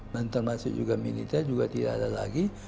dan termasuk juga militer juga tidak ada lagi